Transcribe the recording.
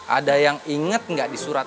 ada yang inget nggak di surat